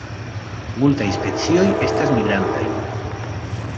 Multaj specioj estas migrantaj.